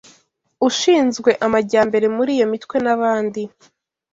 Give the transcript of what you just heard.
ushinzwe amajyambere muri iyo mitwe n’abandi